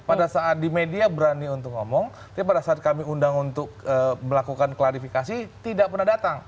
pada saat di media berani untuk ngomong tapi pada saat kami undang untuk melakukan klarifikasi tidak pernah datang